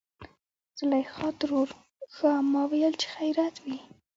زليخا ترور :ښا ما ويل چې خېرت وي.